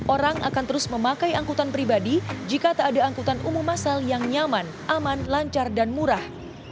orang akan terus memakai angkutan pribadi jika tak ada angkutan umum masal yang nyaman aman lancar dan murah